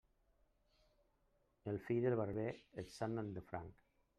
El fill del barber el sagnen de franc.